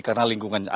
karena lingkungan asli